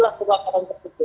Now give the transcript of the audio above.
iya iya begitu